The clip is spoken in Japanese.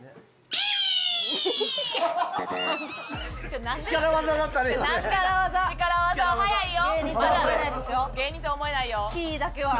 「キイー！」だけは。